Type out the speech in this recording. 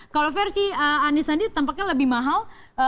kalau versi anisandi tampaknya lebih mahal